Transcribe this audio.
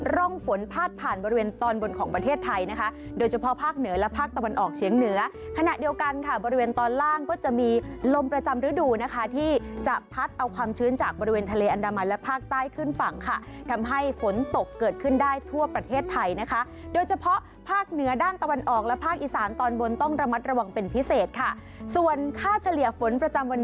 ร่องฝนพาดผ่านบริเวณตอนบนของประเทศไทยนะคะโดยเฉพาะภาคเหนือและภาคตะวันออกเชียงเหนือขณะเดียวกันค่ะบริเวณตอนล่างก็จะมีลมประจำฤดูนะคะที่จะพัดเอาความชื้นจากบริเวณทะเลอันดามันและภาคใต้ขึ้นฝั่งค่ะทำให้ฝนตกเกิดขึ้นได้ทั่วประเทศไทยนะคะโดยเฉพาะภาคเหนือด้านตะวั